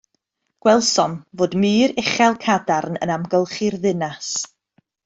Gwelsom fod mur uchel cadarn yn amgylchu'r ddinas.